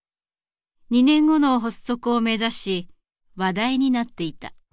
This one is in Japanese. ２年後の発足を目指し話題になっていた。